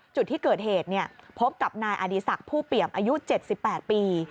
จุดที่เกิดเหตุพบกับนายอดีศักดิ์ผู้เปี่ยมอายุ๗๘ปี